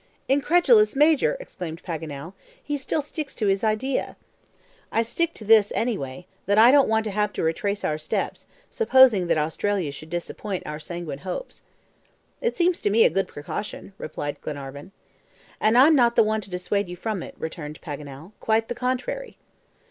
"Incredulous Major!" exclaimed Paganel, "he still sticks to his idea." "I stick to this any way, that I don't want to have to retrace our steps, supposing that Australia should disappoint our sanguine hopes." "It seems to me a good precaution," replied Glenarvan. "And I'm not the one to dissuade you from it," returned Paganel; "quite the contrary."